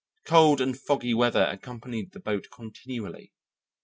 Cold and foggy weather accompanied the boat continually.